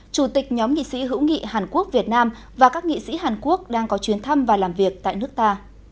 chủ tịch nhóm nghị sĩ hữu nghị hàn quốc việt nam và các nghị sĩ hàn quốc đang có chuyến thăm và làm việc tại nước ta